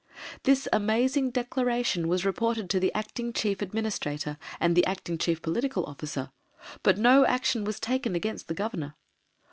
This amazing declaration was reported to the Acting Chief Administrator, and the Acting Chief Political Officer, but no action was taken against the Governor.